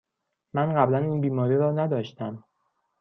من قبلاً این بیماری را نداشتم.